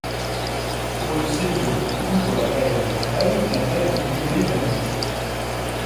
Pour le sémillon, outre la taille en éventail, la taille en guyot est permise.